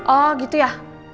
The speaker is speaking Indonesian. oh gitu ya